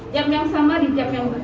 jam yang sama di jam yang berikut